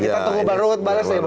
kita tunggu bang ruhut bales ya